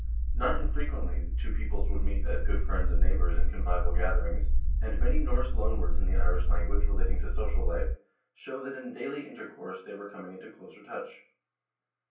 Not infrequently the two peoples would meet as good friends and neighbors in convivial gatherings, and many Norse loan words in the Irish language relating to social life show that in daily intercourse they were coming into closer touch.